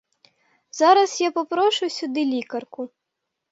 Зараз я попрошу сюди лікарку.